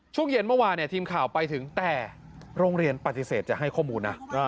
ช่วงเย็นเมื่อวานทีมข่าวไปถึงแต่โรงเรียนปฏิเสธจะให้ข้อมูลนะ